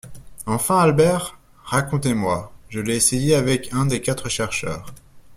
enfin Albert? Racontez-moi! Je l’ai essayé avec un des quatre chercheurs